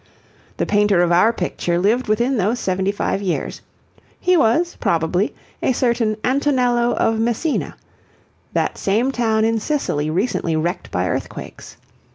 The painter of our picture lived within those seventy five years. He was, probably, a certain Antonello of Messina that same town in Sicily recently wrecked by earthquakes.